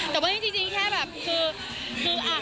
แต่มันนี่จริงแค่แบบคือ